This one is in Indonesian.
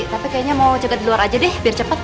tapi kayaknya mau cepet di luar aja deh biar cepet